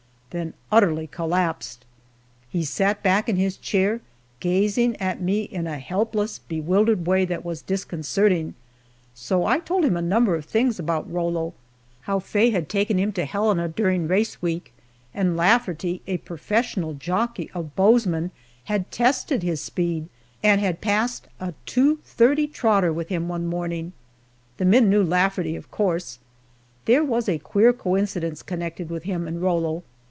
then utterly collapsed. He sat back in his chair gazing at me in a helpless, bewildered way that was disconcerting, so I told him a number of things about Rollo how Faye had taken him to Helena during race week and Lafferty, a professional jockey of Bozeman, had tested his speed, and had passed a 2:30 trotter with him one morning. The men knew Lafferty, of course. There was a queer coincidence connected with him and Rollo.